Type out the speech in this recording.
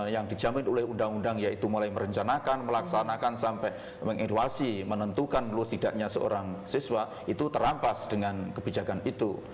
yang dijamin oleh undang undang yaitu mulai merencanakan melaksanakan sampai mengeruasi menentukan lutidaknya seorang siswa itu terampas dengan kebijakan itu